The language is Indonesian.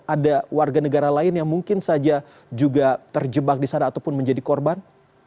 ada warga negara lain yang mungkin saja juga terjebak di sana ataupun menjadi korban